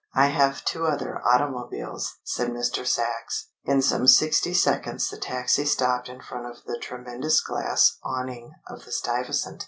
("I have two other automobiles," said Mr. Sachs.) In some sixty seconds the taxi stopped in front of the tremendous glass awning of the Stuyvesant.